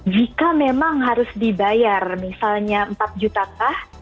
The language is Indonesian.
jika memang harus dibayar misalnya empat juta kah